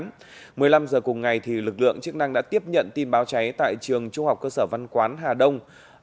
một mươi năm h cùng ngày lực lượng chức năng đã tiếp nhận tin báo cháy tại trường trung học cơ sở văn quán hà đông